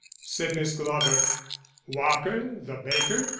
said Miss Glover. "Walker, the baker?"